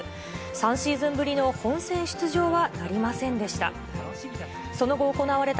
３シーズンぶりの本戦出場はなりませんでした。